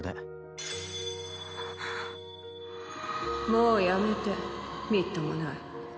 もうやめてみっともない。